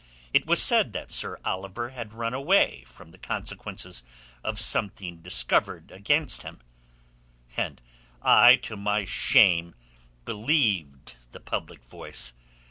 It was said that Sir Oliver had run away from the consequences of something discovered against him, and I to my shame believed the public voice.